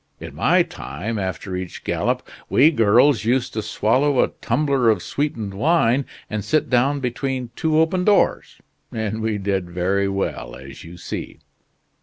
In my time, after each gallop, we girls used to swallow a tumbler of sweetened wine, and sit down between two open doors. And we did very well, as you see."